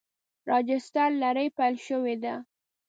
راجستر لړۍ پیل شوې ده.